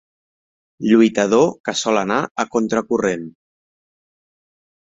Lluitador que sol anar a contracorrent.